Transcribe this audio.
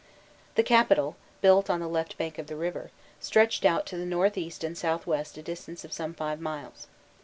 The capital, built on the left bank of the river, stretched out to the north east and south west a distance of some five miles.